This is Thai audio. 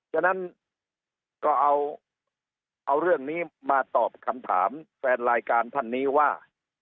ฉะนั้นก็เอาเรื่องนี้มาตอบคำถามแฟนรายการท่านนี้ว่า